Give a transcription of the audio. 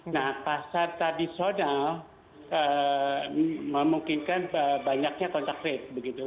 nah pasar tradisional memungkinkan banyaknya kontak rate begitu